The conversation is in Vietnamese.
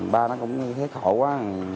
ba nó cũng thấy khổ quá